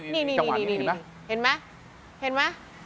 นี่เห็นไหม